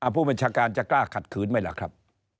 ผู้บัญชาการจะกล้าขัดขืนไหมล่ะครับ